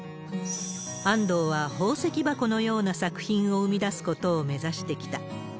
安藤は宝石箱のような作品を生み出すことを目指してきた。